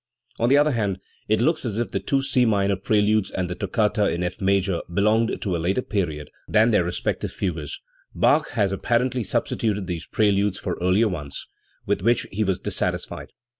On the other hand, it looks as if the two C minor preludes and the toccata in F major belonged to a later period than their respective fugues; Bach has apparently substituted these preludes for earlier ones with which he was dissatis fied.